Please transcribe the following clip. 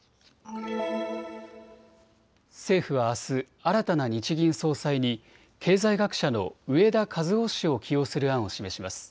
政府はあす新たな日銀総裁に経済学者の植田和男氏を起用する案を示します。